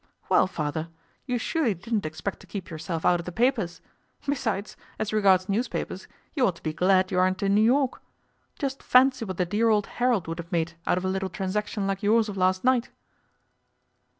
'Well, Father, you surely didn't expect to keep yourself out of the papers. Besides, as regards newspapers, you ought to be glad you aren't in New York. Just fancy what the dear old Herald would have made out of a little transaction like yours of last night.